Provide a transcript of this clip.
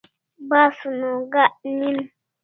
Basun o gak nin